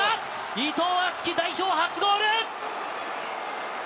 伊藤敦樹、代表初ゴール！